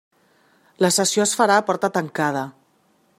La sessió es farà a porta tancada.